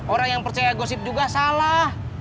orang yang percaya gosip juga salah